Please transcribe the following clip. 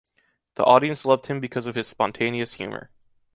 The audience loved him because of his spontaneous humor.